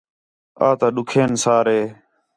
آتا ݙُکھین سارے